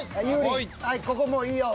はいここもういいよ。